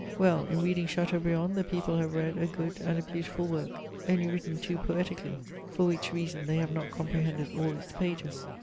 Well, in reading Chateaubriand, the people have read a good and a beautiful work, only written too poetically, for which reason they have not comprehended all its pages.